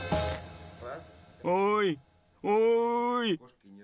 おいおい。